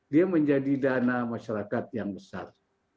dia menjadi dana masyarakat yang besar